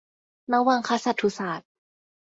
นวังคสัตถุศาสน์